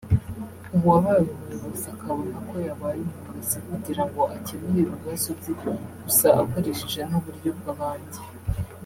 uwabaye umuyobozi akabona ko yabaye umuyobozi kugira ngo akemure ibibazo bye gusa akoresheje n’uburyo bw’abandi